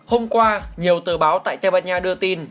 hôm qua nhiều tờ báo tại tây ban nha đưa tin